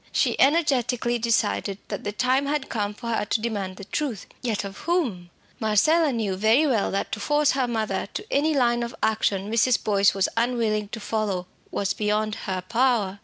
She energetically decided that the time had come for her to demand the truth. Yet, of whom? Marcella knew very well that to force her mother to any line of action Mrs. Boyce was unwilling to follow, was beyond her power.